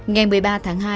ngày một mươi ba tháng hai